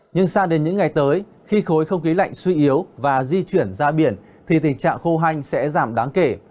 nhưng sang đến những ngày tới khi khối không khí lạnh suy yếu và di chuyển ra biển thì tình trạng khô hanh sẽ giảm đáng kể